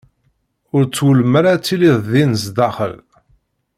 Ur twulem ara ad tiliḍ din sdaxel.